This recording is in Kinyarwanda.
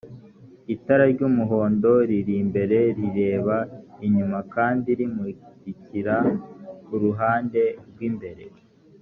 itara ry‘umuhondo riri imbere rireba inyuma kandi rimurikira uruhande rw’imbere